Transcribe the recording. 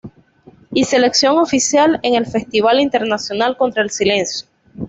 Y selección oficial en el Festival Internacional Contra el Silencio.